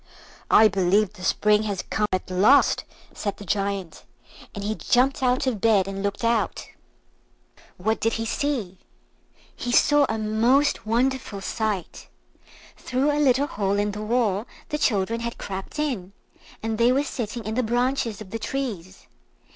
"I believe the Spring has come at last," said the Giant; and he jumped out of bed and looked out. What did he see? He saw a most wonderful sight. Through a little hole in the wall the children had crept in, and they were sitting in the branches of the trees.